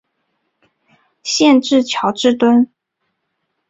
县治乔治敦。